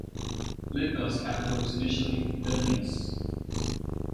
Litbel's capital was initially Vilnius.